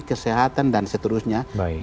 kesehatan dan seterusnya